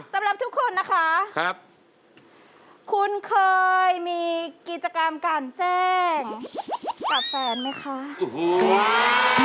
สำหรับทุกคนนะคะครับคุณเคยมีกิจกรรมการแจ้งกับแฟนไหมคะโอ้โห